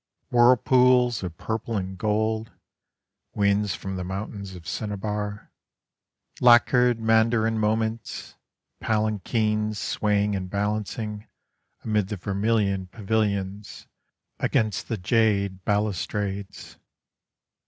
Whirlpools of purple and gold, Winds from the mountains of cinnabar, Lacquered mandarin moments, palanquins swaying and balancing Amid the vermilion pavilions, against the jade balustrades.